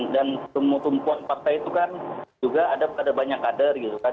dan semua perempuan partai itu kan juga ada pada banyak kadar gitu kan